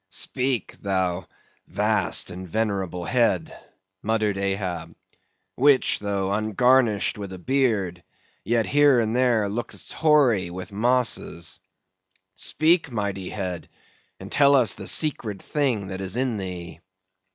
"Speak, thou vast and venerable head," muttered Ahab, "which, though ungarnished with a beard, yet here and there lookest hoary with mosses; speak, mighty head, and tell us the secret thing that is in thee.